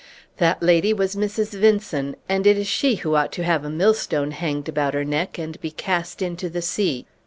That lady was Mrs. Vinson, and it is she who ought to have a millstone hanged about her neck, and be cast into the sea.